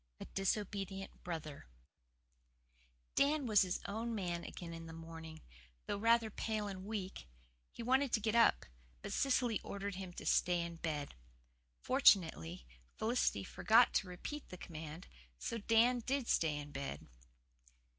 A DISOBEDIENT BROTHER Dan was his own man again in the morning, though rather pale and weak; he wanted to get up, but Cecily ordered him to stay in bed. Fortunately Felicity forgot to repeat the command, so Dan did stay in bed.